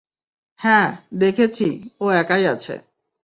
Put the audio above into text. হ্যাঁ, দেখেছি, ও একাই আছে।